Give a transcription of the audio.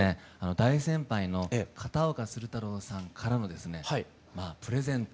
大先輩の片岡鶴太郎さんからのですねまあプレゼント